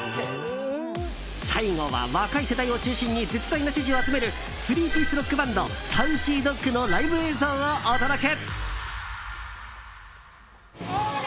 最後は、若い世代を中心に絶大な支持を集める３ピースロックバンドＳａｕｃｙＤｏｇのライブ映像をお届け。